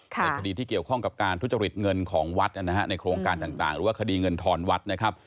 ในคดีที่เกี่ยวข้องกับการทุจริตเงินของวัดนะฮะในโครงการต่างหรือว่าคดีเงินทอนวัดนะครับ